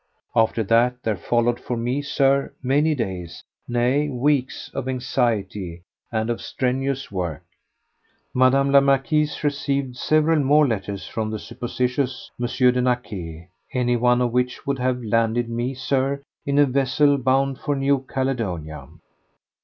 After that there followed for me, Sir, many days, nay, weeks, of anxiety and of strenuous work. Mme. la Marquise received several more letters from the supposititious M. de Naquet, any one of which would have landed me, Sir, in a vessel bound for New Caledonia.